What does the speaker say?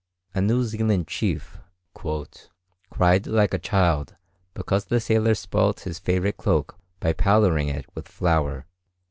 A New Zealand chief "cried like a child because the sailors spoilt his favourite cloak by powdering it with flour."